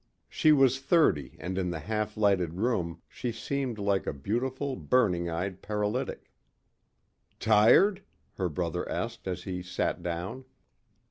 She was thirty and in the half lighted room she seemed like a beautiful, burning eyed paralytic. "Tired?" her brother asked as he sat down.